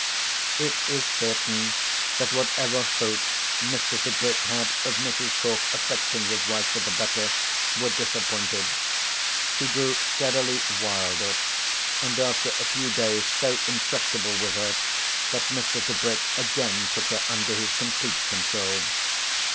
It is certain that whatever hopes Mr. Tebrick had of Mrs. Cork affecting his wife for the better were disappointed. She grew steadily wilder and after a few days so intractable with her that Mr. Tebrick again took her under his complete control.